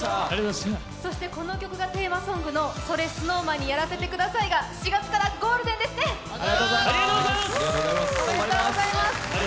この曲がテーマ曲の「それＳｎｏｗＭａｎにやらせて下さい」が４月からゴールデンですね、おめでとうございます。